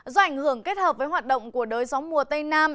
do ảnh hưởng kết hợp với hoạt động của đới gió mùa tây nam